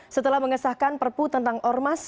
setelah mengesahkan perpu tentang ormas